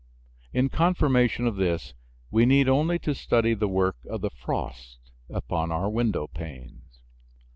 In confirmation of this we need only to study the work of the frost upon our window panes.